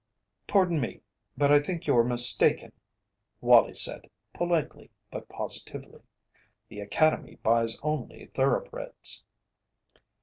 "Pardon me, but I think you're mistaken," Wallie said, politely but positively. "The Academy buys only thoroughbreds."